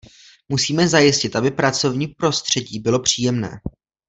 Musíme zajistit, aby pracovní prostředí bylo příjemné.